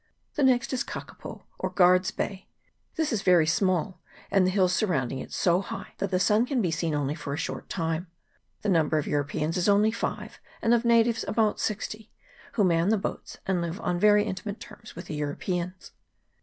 The next is Kakapo, or Guard's Bay. This is very small, and the hills surrounding it so high that the sun can be seen only for a short time. The number of Europeans is only five, and of natives about sixty, who man the boats, and live on very in timate terms with the Europeans.